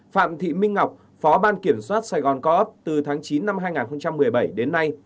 phạm thị minh ngọc phó ban kiểm soát sài gòn co op từ tháng chín năm hai nghìn một mươi bảy đến nay